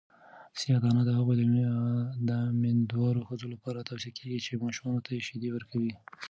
سیاه دانه د هغو میندوارو ښځو لپاره توصیه کیږي چې ماشومانو ته شیدې ورکوي.